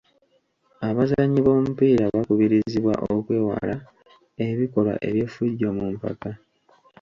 Abazannyi b'omupiira bakubirizibwa okwewala ebikolwa eby'effujjo mu mpaka.